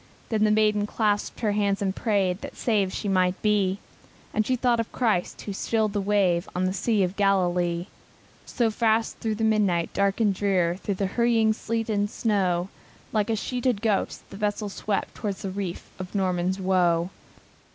Then the maiden clasped her hands and prayed That saved she might be; And she thought of Christ, who stilled the wave, On the Lake of Galilee. And fast through the midnight dark and drear Through the whistling sleet and snow, Like a sheeted ghost, the vessel swept Towards the reef of Norman's Woe.